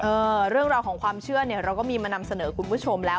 เรื่องราวของความเชื่อเนี่ยเราก็มีมานำเสนอคุณผู้ชมแล้ว